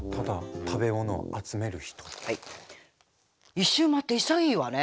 一周回って潔いわね。